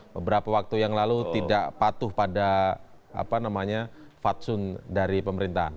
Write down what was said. beberapa waktu yang lalu tidak patuh pada fatsun dari pemerintahan